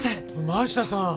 真下さん。